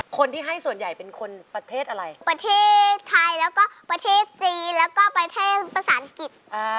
คนที่ให้ส่วนใหญ่เป็นคนประเทศอะไรประเทศไทยแล้วก็ประเทศจีนแล้วก็ประเทศภาษาอังกฤษอ่า